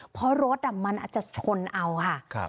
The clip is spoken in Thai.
เพราะรถมันอาจจะชนเอาค่ะ